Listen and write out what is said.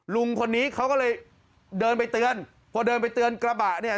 ลุงคนนี้เขาก็เลยเดินไปเตือนพอเดินไปเตือนกระบะเนี่ย